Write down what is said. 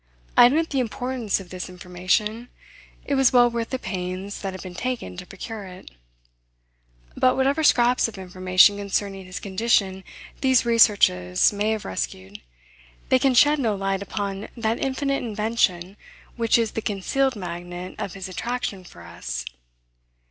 I admit the importance of this information. It was well worth the pains that have been taken to procure it. But whatever scraps of information concerning his condition these researches may have rescued, they can shed no light upon that infinite invention which is the concealed magnet of his attraction for us.